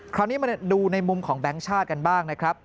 คราวนี้มาดูในมุมของแบงค์ชาติกันบ้างนะครับ